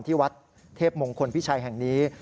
ที่วัดเทพมงคลพิชัยแห่งนี้